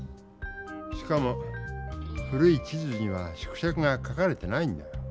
しかも古い地図には縮尺が書かれてないんだ。